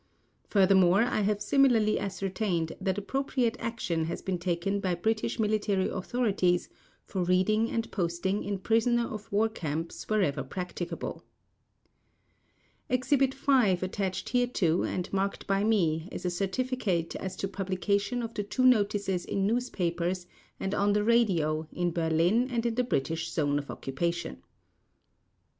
Furthermore I have similarly ascertained that appropriate action has been taken by British Military Authorities for reading and posting in Prisoner of War Camps wherever practicable. "Exhibit V" attached hereto and marked by me is a certificate as to publication of the two notices in newspapers and on the radio in Berlin and in the British Zone of occupation.